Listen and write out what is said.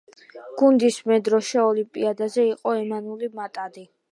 გუნდის მედროშე ოლიმპიადაზე იყო ემანუელ მატადი.